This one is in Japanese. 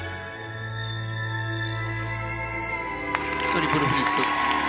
トリプルフリップ。